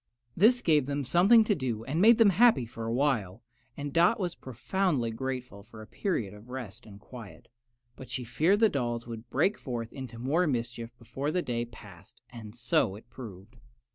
This gave them something to do and made them happy for a while, and Dot was profoundly grateful for a period of rest and quiet; but she feared the dolls would break forth into more mischief before the day passed, and so it proved.